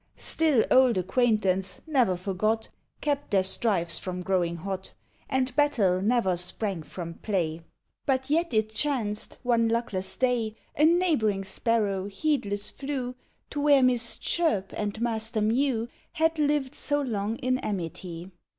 Still old acquaintance ne'er forgot Kept their strifes from growing hot, And battle never sprang from play. But yet it chanced, one luckless day, A neighbouring Sparrow heedless flew To where Miss Chirp and Master Mew Had lived so long in amity.